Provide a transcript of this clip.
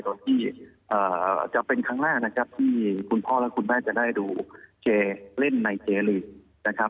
โดยที่จะเป็นครั้งแรกนะครับที่คุณพ่อและคุณแม่จะได้ดูเจเล่นในเจลีกนะครับ